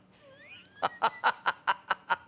ハハハハ！